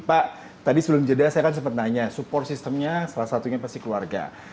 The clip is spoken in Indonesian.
pak tadi sebelum jeda saya kan sempat nanya support systemnya salah satunya pasti keluarga